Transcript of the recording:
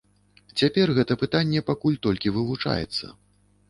Цяпер гэта пытанне пакуль толькі вывучаецца.